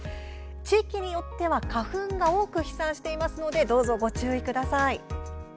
地域によっては花粉が多く飛散していますのでどうぞ、ご注意ください。